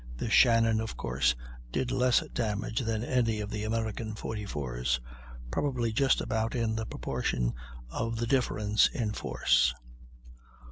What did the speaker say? The Shannon of course did less damage than any of the American 44's, probably just about in the proportion of the difference in force.